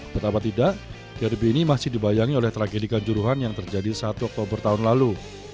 betapa tidak garb ini masih dibayangi oleh tragedi kanjuruhan yang terjadi satu oktober tahun lalu